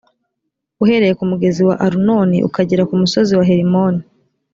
uhereye ku mugezi wa arunoni ukagera ku musozi wa herimoni.